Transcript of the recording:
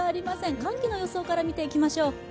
寒気の予想から見ていきましょう。